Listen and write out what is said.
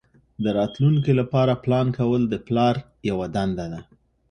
د راتلونکي لپاره پلان کول د پلار یوه دنده ده.